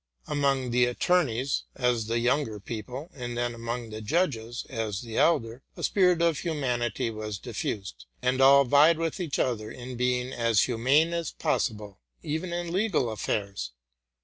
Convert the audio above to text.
Among the attorneys, as the younger RELATING TO MY LIFE. 149 people, and then among the judges, as the elder, a spirit of humanity was diffused ; and all vied with each other in being as humane as possible, even in legal affairs.